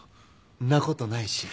んなことないし。